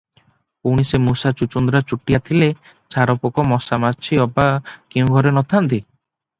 ପୁଣି ସେ ମୂଷା ଚୂଚୂନ୍ଦୁରା ଚୁଟିଆ ଥିଲେ ଛାରପୋକ ମଶାମାଛି ଅବା କେଉଁ ଘରେ ନ ଥାନ୍ତି?